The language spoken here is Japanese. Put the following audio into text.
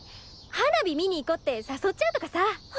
花火見に行こうって誘っちゃうとかさ！